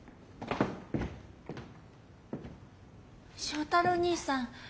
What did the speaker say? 正太郎にいさん